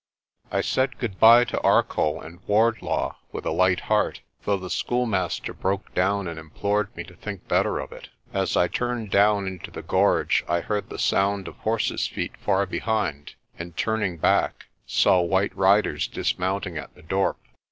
I said good bye to Arcoll and Wardlaw with a light 108 PRESTER JOHN heart, though the schoolmaster broke down and implored me to think better of it. As I turned down into the gorge I heard the sound of horses' feet far behind and, turning back, saw white riders dismounting at the dorp.